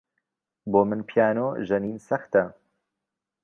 بۆ من پیانۆ ژەنین سەختە.